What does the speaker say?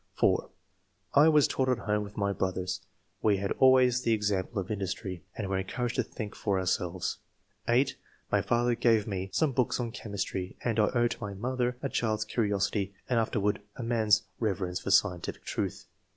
(4) I was taught at home with my brothers; we had always the example of industry, and were encouraged to think for ourselvea (8) My father gave me [some books on chemistry, and] I owe to my mother a child's curiosity and afterward a man's reverence for scientific truth.